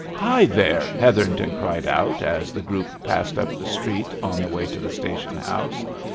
"Hi there!" Hetherington cried out, as the group passed up the street on the way to the station house.